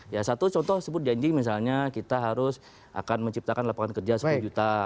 ya satu contoh sebut janji misalnya kita harus akan menciptakan lapangan kerja sepuluh juta